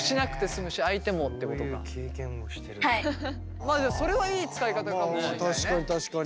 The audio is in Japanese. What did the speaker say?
まあそれはいい使い方かもしれないね。